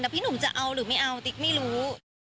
พี่หนุ่มจะเอาหรือไม่เอาติ๊กไม่รู้